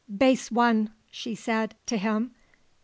"Base one!" she said to him.